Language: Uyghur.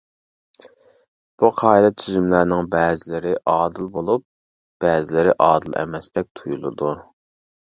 بۇ قائىدە-تۈزۈملەرنىڭ بەزىلىرى ئادىل بولۇپ، بەزىلىرى ئادىل ئەمەستەك تۇيۇلىدۇ.